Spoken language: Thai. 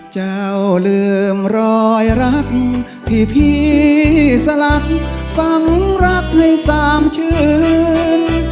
เจ้าลืมรอยรักพี่สลักฝังรักให้สามชื้น